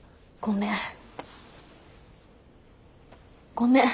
ごめん。